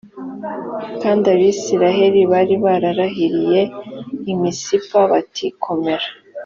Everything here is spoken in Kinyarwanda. kandi abisirayeli bari bararahiriye i misipa bati komera